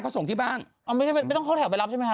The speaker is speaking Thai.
ไม่ต้องเข้าแถวไปรับใช่ไหมคะ